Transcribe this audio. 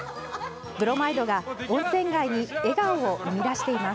ブロマイドが温泉街に笑顔を生み出しています。